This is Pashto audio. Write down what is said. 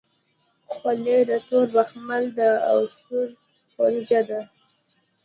خولۍ د تور بخمل ده او څلور کونجه ده.